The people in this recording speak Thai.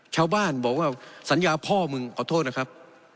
ชาวบ้านบอกว่าสัญญาพ่อมึงขอโทษนะครับ